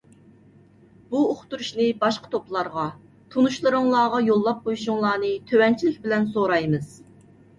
بۇ ئۇقتۇرۇشنى باشقا توپلارغا، تونۇشلىرىڭلارغا يوللاپ قويۇشۇڭلارنى تۆۋەنچىلىك بىلەن سورايمىز.